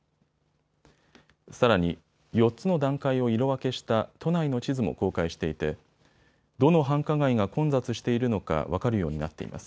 さらに４つの段階を色分けした都内の地図も公開していてどの繁華街が混雑しているのか分かるようになっています。